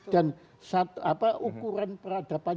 dan ukuran peradaban